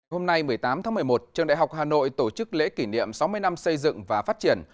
hôm nay một mươi tám tháng một mươi một trường đại học hà nội tổ chức lễ kỷ niệm sáu mươi năm xây dựng và phát triển